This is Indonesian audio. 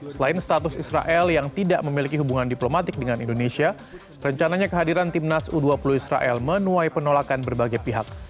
selain status israel yang tidak memiliki hubungan diplomatik dengan indonesia rencananya kehadiran timnas u dua puluh israel menuai penolakan berbagai pihak